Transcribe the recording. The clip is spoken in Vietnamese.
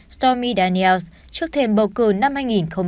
stomy daniels trước thềm bầu cử năm hai nghìn một mươi sáu